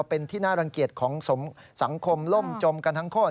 เป็นที่น่ารังเกียจของสังคมล่มจมกันทั้งโคตร